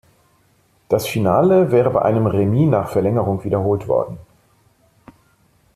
Das Finale wäre bei einem Remis nach Verlängerung wiederholt worden.